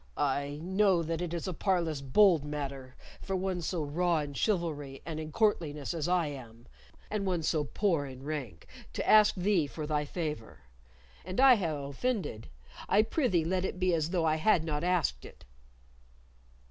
I know that it is a parlous bold matter for one so raw in chivalry and in courtliness as I am, and one so poor in rank, to ask thee for thy favor. An I ha' offended, I prithee let it be as though I had not asked it."